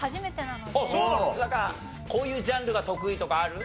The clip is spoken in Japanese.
なんかこういうジャンルが得意とかある？